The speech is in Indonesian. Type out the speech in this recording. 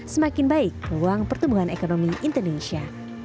semakin baik ruang pertumbuhan ekonomi indonesia